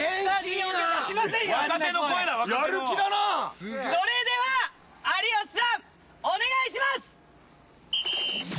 あんな声やる気だなそれでは有吉さんお願いします！